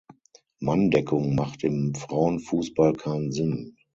Manndeckung macht im Frauenfußball keinen Sinn.